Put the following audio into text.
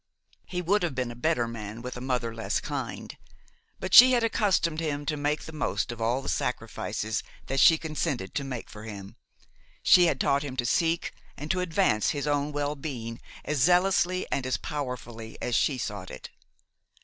He would have been a better man with a mother less kind; but she had accustomed him to make the most of all the sacrifices that she consented to make for him; she had taught him to seek and to advance his own well being as zealously and as powerfully as she sought it.